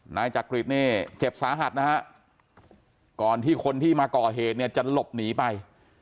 นายจักริตเนี่ยเจ็บสาหัสนะฮะก่อนที่คนที่มาก่อเหตุเนี่ยจะหลบหนีไป